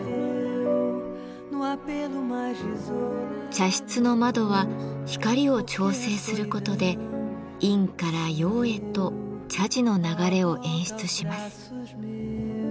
茶室の窓は光を調整することで「陰」から「陽」へと茶事の流れを演出します。